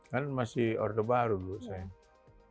kan masih orde baru saya